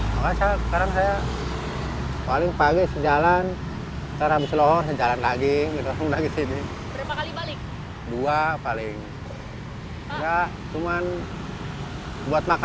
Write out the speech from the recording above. dari tiap jerrycan keuntungan yang ia terima hanya rp satu lima ratus